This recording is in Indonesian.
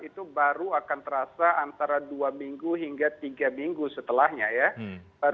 itu baru akan terasa antara dua minggu hingga tiga minggu setelahnya ya